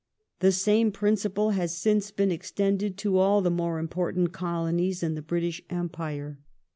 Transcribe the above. The same principle has since been extended to all the more impor tant Colonies in the British Empire.